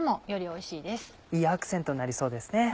いいアクセントになりそうですね。